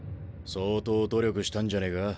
相当努力したんじゃねえか？